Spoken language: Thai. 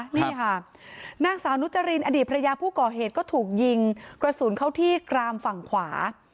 นี่ค่ะนางสาวนุจรินอดีตภรรยาผู้ก่อเหตุก็ถูกยิงกระสุนเข้าที่กรามฝั่งขวา